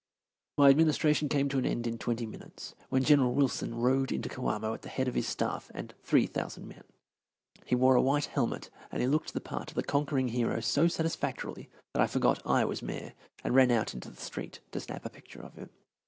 My administration came to an end in twenty minutes, when General Wilson rode into Coamo at the head of his staff and three thousand men. He wore a white helmet, and he looked the part of the conquering hero so satisfactorily that I forgot I was Mayor and ran out into the street to snap a picture of him.